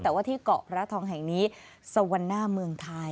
แต่ว่าที่เกาะพระทองแห่งนี้สวรรค์หน้าเมืองไทย